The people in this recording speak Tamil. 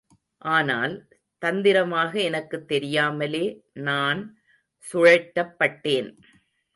ஆனால், தந்திரமாக எனக்குத் தெரியாமலே நான் சுழற்றப்பட்டேன்.